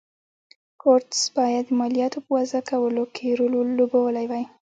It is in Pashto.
کورتس باید د مالیاتو په وضعه کولو کې رول لوبولی وای.